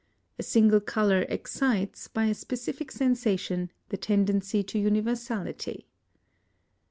A single colour excites, by a specific sensation, the tendency to universality.